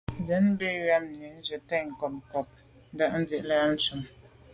Sə̂n bu’ŋwà’nì swatə̂ncob ncob ntad lî nâ’ yα̌ tumə.